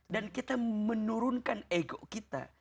dan kita menurunkan ego kita